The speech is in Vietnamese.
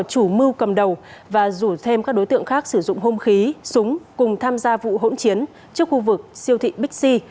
chủ mưu cầm đầu và rủ thêm các đối tượng khác sử dụng hung khí súng cùng tham gia vụ hỗn chiến trước khu vực siêu thị bixi